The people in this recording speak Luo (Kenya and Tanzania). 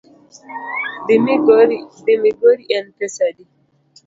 Dhi migori en pesa adi?